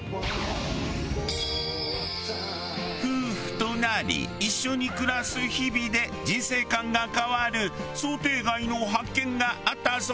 夫婦となり一緒に暮らす日々で人生観が変わる想定外の発見があったそうです。